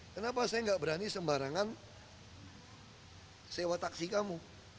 kenapa saya nggak berani sembarangan sewa taksi kamu